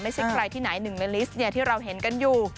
ไม่ใช่ใครที่ไหนหนึ่งในลิสต์ที่เราเห็นกันอยู่